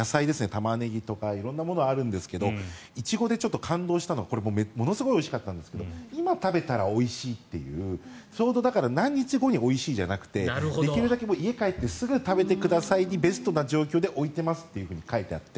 タマネギとか色んなものがあるんですがイチゴで感動したのはものすごいおいしかったんですが今食べたらおいしいというちょうど何日後においしいじゃなくてできるだけ家に帰ってすぐ食べてくださいとベストな状況で置いてますと書いてあって。